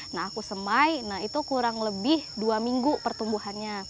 nah aku semai nah itu kurang lebih dua minggu pertumbuhannya